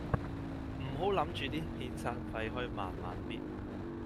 唔好諗住啲遣散費可以慢慢搣